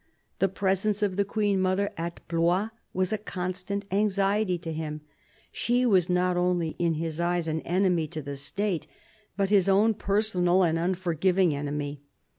The presence of the Queen mother at Blois was a constant anxiety to him ; she was not only, in his eyes, an enemy to the State, but his own personal and unforgiving enemy.